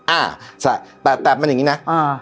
อ่าแต่มันอย่างนี้นะ